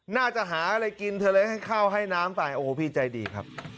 น่าจะหาอะไรกินเธอเลยให้ข้าวให้น้ำไปโอ้โหพี่ใจดีครับ